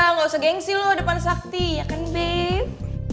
nggak usah gengsi lo depan sakti ya kan beb